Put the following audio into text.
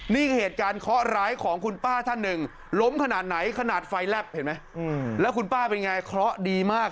นี่คือเหตุการณ์เคาะร้ายของคุณป้าท่านหนึ่งล้มขนาดไหนขนาดไฟแลบเห็นไหมแล้วคุณป้าเป็นไงเคราะห์ดีมาก